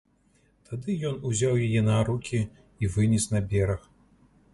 Тады ён узяў яе на рукі і вынес на бераг.